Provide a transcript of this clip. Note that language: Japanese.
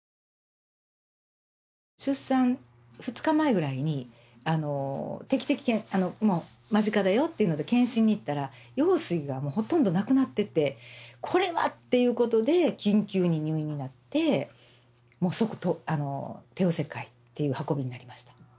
出産２日前ぐらいにあの定期的もう間近だよっていうので検診に行ったら羊水がほとんど無くなっててこれは！っていうことで緊急に入院になってもう即帝王切開っていう運びになりました。